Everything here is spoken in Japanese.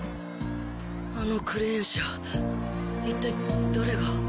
あのクレーン車一体誰が。